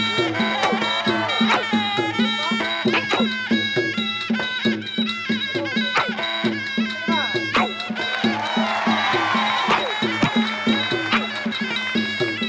มันไม่ใช่ผู้ชายมันทำร้ายผู้หญิง